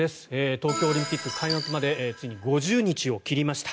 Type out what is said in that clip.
東京オリンピック開幕までついに５０日を切りました。